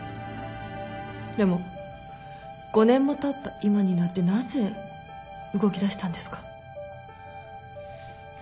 でも５年もたった今になってなぜ動きだしたんですか？